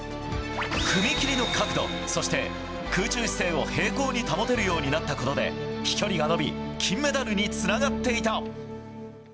踏み切りの角度そして、空中姿勢を並行に保てるようになったことで飛距離が伸び金メダルにつながっていた。